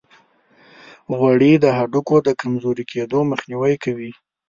غوړې د هډوکو د کمزوري کیدو مخنیوي کوي.